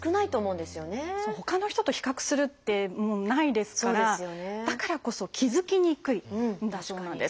ほかの人と比較するってないですからだからこそ気付きにくいんだそうなんです。